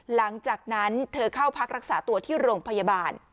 หลังจากนั้นเธอเข้าพักรักษาตัวที่โรงพยาบาล